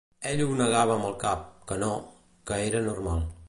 Ella ho negava amb el cap, que no, que era normal.